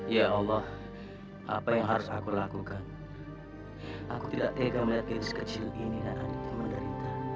ya allah apa yang harus aku lakukan aku tidak tega melihat kecil ini